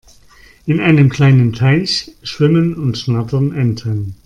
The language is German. In einem kleinen Teich schwimmen und schnattern Enten.